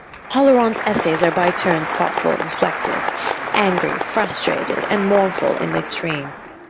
Holleran's essays are by turns thoughtful, reflective, angry, frustrated, and mournful in the extreme.